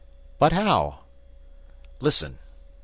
"But how?" "Listen!